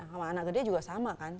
sama anak gede juga sama kan